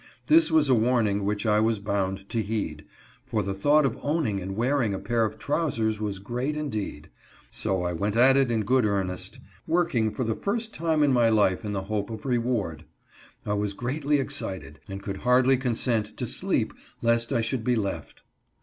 This was a warning which I was bound to heed, for the thought of owning and wearing a pair of trowsers was great indeed. So I went at it in good earnest, working for the first time in my life in the hope of reward. I was greatly excited, and could hardly consent to sleep lest I should be left.